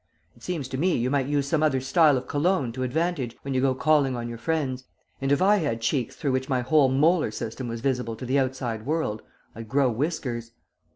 It seems to me you might use some other style of cologne to advantage when you go calling on your friends, and if I had cheeks through which my whole molar system was visible to the outside world, I'd grow whiskers.'"